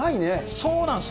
そうなんす。